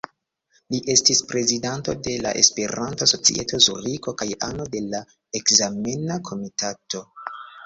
Li estis prezidanto de la Esperanto-Societo Zuriko kaj ano de la ekzamena komitato.